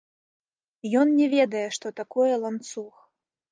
Ён не ведае, што такое ланцуг.